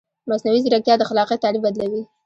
مصنوعي ځیرکتیا د خلاقیت تعریف بدلوي.